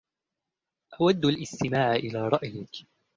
أود الاستماع إلى رأيك.